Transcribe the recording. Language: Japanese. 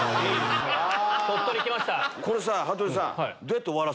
これさ羽鳥さん。